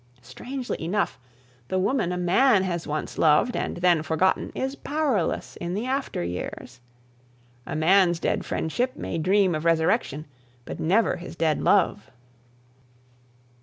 Strangely enough, the woman a man has once loved and then forgotten is powerless in the after years. A man's dead friendship may dream of resurrection, but never his dead love.